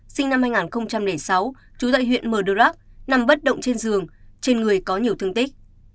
sinh năm hai nghìn sáu trú tại huyện mờ rắc nằm bất động trên giường trên người có nhiều thương tích